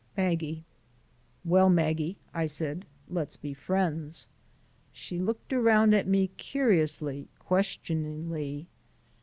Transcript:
"Maggie " "Well, Maggie," I said, "let's be friends." She looked around at me curiously, questioningly.